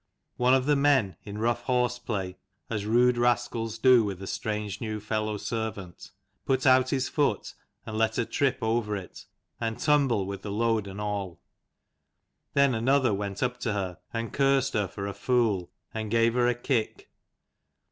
One of the men, in rough horseplay, as rude rascals do with a strange new fellow servant, put out his foot, and let her trip over it, and tumble with the load and all. Then another went up to her and cursed her for a fool and gave her a kick.